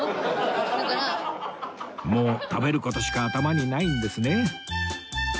もう食べる事しか頭にないんですね！